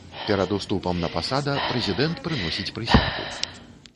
Перад уступам на пасада прэзідэнт прыносіць прысягу.